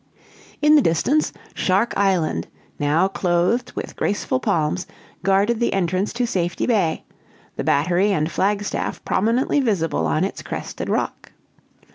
In the distance, Shark Island, now clothed with graceful palms, guarded the entrance to Safety Bay, the battery and flagstaff prominently visible on its crested rock.